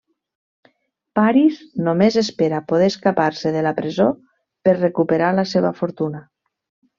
Paris només espera poder escapar-se de la presó per recuperar la seva fortuna.